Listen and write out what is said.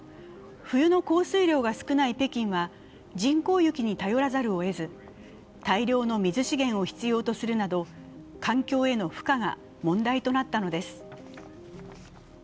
冬の降水量が少ない北京は人工雪に頼らざるをえず、大量の水資源を必要とするなど、環境への負荷が問題となったのです。